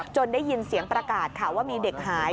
ได้ยินเสียงประกาศค่ะว่ามีเด็กหาย